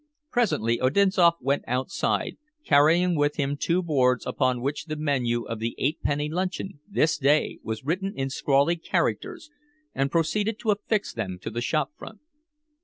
Presently Odinzoff went outside, carrying with him two boards upon which the menu of the "Eight penny Luncheon! This Day!" was written in scrawly characters, and proceeded to affix them to the shop front.